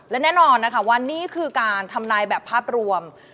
และแน่นอนนะคะว่านี่คือการทำนายแบบภาพรวม